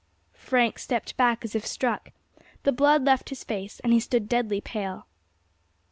Frank stepped back as if struck, the blood left his face, and he stood deadly pale.